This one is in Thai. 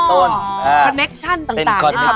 คอนเนคชั่นต่าง